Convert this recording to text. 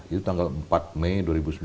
itu tanggal empat mei dua ribu sembilan belas